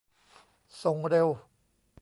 ส่งเร็ว